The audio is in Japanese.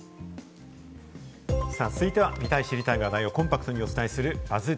続いては、見たい知りたい話題をコンパクトにお伝えするＢＵＺＺ